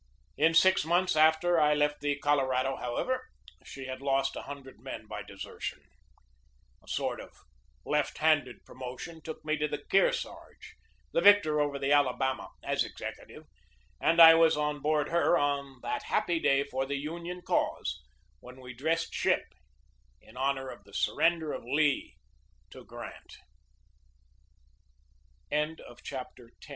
In six months after I left the Colorado, however, she had lost a hundred men by desertion. A sort of left handed promotion took me to the Kearsarge, the victor over the Alabama, as executive, and I was on board her on that happy day for the Union cause when we dressed ship in honor of the surren